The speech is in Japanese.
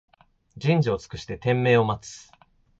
人事を尽くして天命を待つ